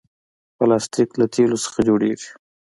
پلاستيک له تیلو څخه جوړېږي.